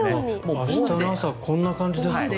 明日の朝こんな感じですか。